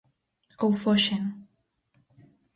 Ou foxen.